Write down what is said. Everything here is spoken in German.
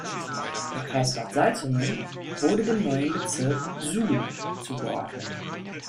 Der Kreis Bad Salzungen wurde dem neuen Bezirk Suhl zugeordnet.